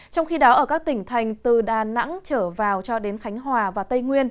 trong khi đó ở các tỉnh thành từ đà nẵng trở vào cho đến khánh hòa và tây nguyên